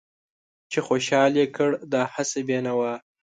چې خوشحال يې کړ دا هسې بې نوا